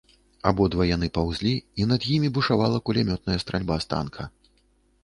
Абодва яны паўзлі, і над імі бушавала кулямётная стральба з танка.